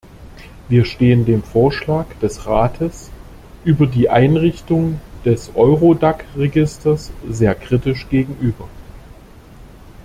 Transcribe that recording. Wir stehen dem Vorschlag des Rates über die Einrichtung des Eurodac-Registers sehr kritisch gegenüber.